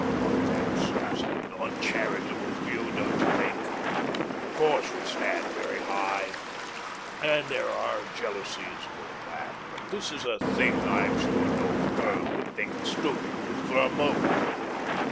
But that seems an uncharitable view, don't you think ? Of course we stand very high, and there are jealousies and all that, but this is a thing I'm sure no firm would think of stooping to, for a moment.